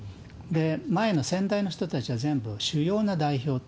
前の先代の人たちは全部、主要な代表と。